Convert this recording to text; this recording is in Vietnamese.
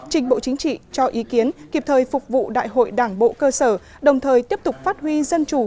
trình bộ chính trị cho ý kiến kịp thời phục vụ đại hội đảng bộ cơ sở đồng thời tiếp tục phát huy dân chủ